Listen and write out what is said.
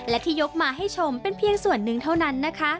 และที่ยกมาให้ชมเป็นเพียงส่วนหนึ่งเท่านั้นนะคะ